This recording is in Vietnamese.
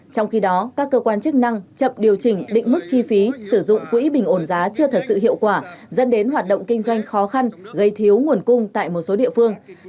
trong khi đó các cơ quan chức năng chậm điều chỉnh định mức chi phí sử dụng quỹ bình ổn giá chưa thật sự hiệu quả dẫn đến hoạt động kinh doanh khó khăn gây thiếu nguồn cung tại một số địa phương